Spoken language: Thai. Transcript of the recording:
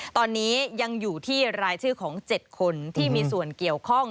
ตอนนี้ยังอยู่ที่รายชื่อของ๗คนที่มีส่วนเกี่ยวข้อง